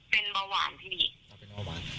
เป็นเบาหวานที่ดี